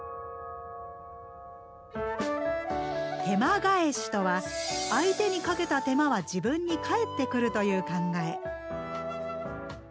「手間返し」とは「相手にかけた手間は自分に返ってくる」という考え。